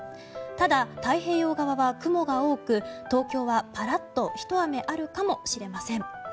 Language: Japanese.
ただ、太平洋側は雲が多く東京はパラッとひと雨あるかもしれません。